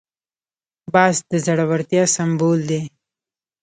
باز د زړورتیا سمبول دی